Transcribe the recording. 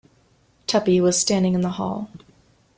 Tuppy was standing in the hall.